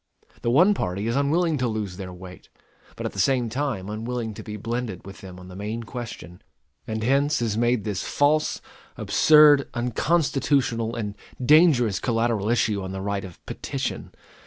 The one party is unwilling to lose their weight, but at the same time unwilling to be blended with them on the main question; and hence is made this false, absurd, unconstitutional, and dangerous collateral issue on the right of petition.